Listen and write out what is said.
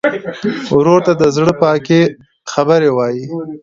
ورور ته د زړه پاکې خبرې وایې.